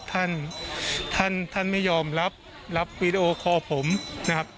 ท่านท่านไม่ยอมรับรับวีดีโอคอลผมนะครับ